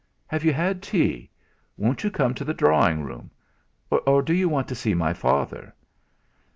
Have you had tea? Won't you come to the drawing room; or do you want to see my father?"